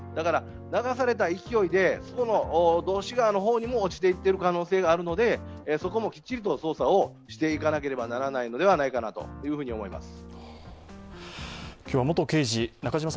流された勢いで道志川の方に落ちていっている可能性があるので、そこもきっちりと捜査していかなければならないのではないかと思います。